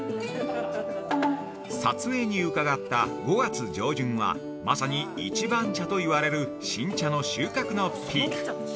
撮影に伺った５月上旬はまさに「一番茶」と言われる新茶の収穫のピーク。